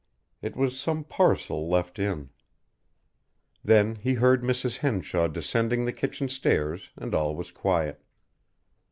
It was some parcel left in. Then he heard Mrs. Henshaw descending the kitchen stairs and all was quiet.